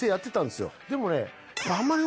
でもね。